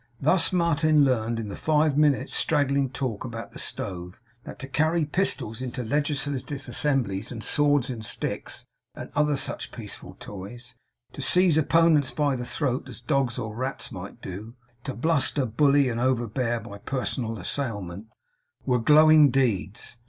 Thus, Martin learned in the five minutes' straggling talk about the stove, that to carry pistols into legislative assemblies, and swords in sticks, and other such peaceful toys; to seize opponents by the throat, as dogs or rats might do; to bluster, bully, and overbear by personal assailment; were glowing deeds.